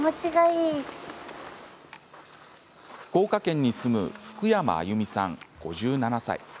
福岡県に住む福山あゆみさん、５７歳。